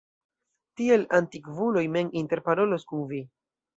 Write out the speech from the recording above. Tiel antikvuloj mem interparolos kun vi.